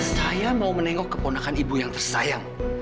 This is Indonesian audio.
saya mau menengok keponakan ibu yang tersayang